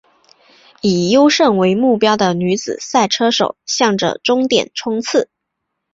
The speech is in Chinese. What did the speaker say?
以优胜为目标的女子赛车手向着终点冲刺！